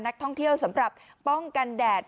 นักท่องเที่ยวสำหรับป้องกันแดด